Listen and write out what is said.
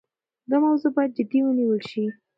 دا موضوع باید جدي ونیول شي.